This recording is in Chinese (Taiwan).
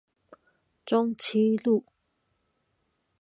中棲路